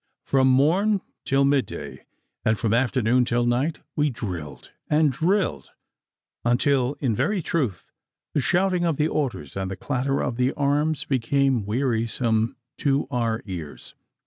From morn till midday, and from afternoon till night, we drilled and drilled until in very truth the shouting of the orders and the clatter of the arms became wearisome to our ears.